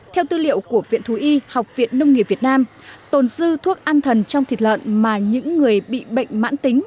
theo tư liệu của viện thú y học viện nông nghiệp việt nam tồn dư thuốc an thần trong thịt lợn mà những người bị bệnh mãn tính